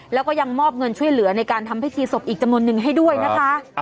แล้วก็ยังมอบเงินช่วยเหลือในการทำพิธีศพอีกจำนวนนึงให้ด้วยนะคะ